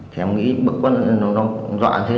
thì em nghĩ bực quá nó dọa thế đâu